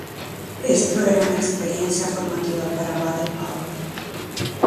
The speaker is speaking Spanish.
Esto era una experiencia formativa para Baden-Powell.